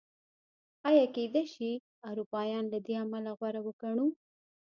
ایا کېدای شي اروپایان له دې امله غوره وګڼو؟